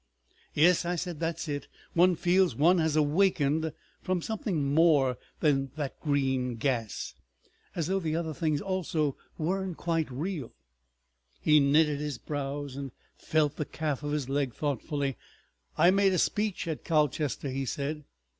"Yes," I said; "that's it. One feels one has awakened—from something more than that green gas. As though the other things also—weren't quite real." He knitted his brows and felt the calf of his leg thoughtfully. "I made a speech at Colchester," he said.